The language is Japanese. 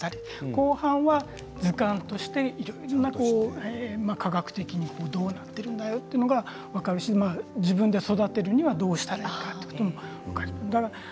後半は図鑑として科学的にどうなっているかということが分かる自分で育てるにはどうしたらいいかとか分かります。